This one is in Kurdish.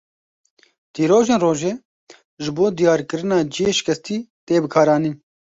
Tîrojên rojê ji bo diyarkirina ciyê şikestî tê bikaranîn.